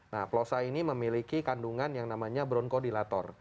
nah plosa ini memiliki kandungan yang namanya broncodilator